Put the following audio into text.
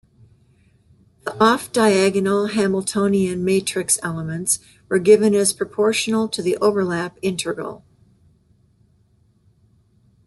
The off-diagonal Hamiltonian matrix elements were given as proportional to the overlap integral.